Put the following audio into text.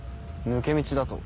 抜け道だと？